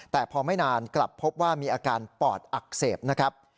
แต่พอไม่นานกลับพบว่ามีอาการปอดอักเสบนะครับ